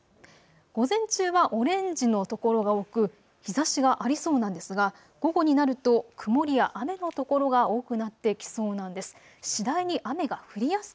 午前中はオレンジの所が多く日ざしがありそうなんですが午後になると曇りや雨の所が多くなってきそうなんです。